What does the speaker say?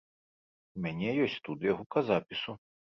У мяне ёсць студыя гуказапісу.